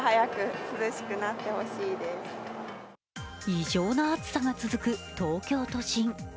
異常な暑さが続く東京都心。